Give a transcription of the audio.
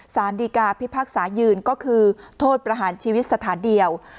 สารดีกาพิพากษายืนก็คือโทษประหารชีวิตสถานเดียว